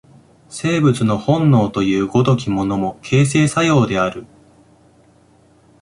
生物の本能という如きものも、形成作用である。